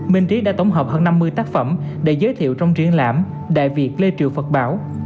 minh trí đã tổng hợp hơn năm mươi tác phẩm để giới thiệu trong triển lãm đại việt lê triệu phật bảo